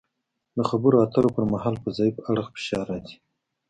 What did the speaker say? د خبرو اترو پر مهال په ضعیف اړخ فشار راځي